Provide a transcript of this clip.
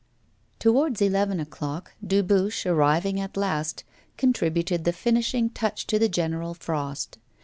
Towards eleven o'clock Dubuche, arriving at last, contributed the finishing touch to the general frost.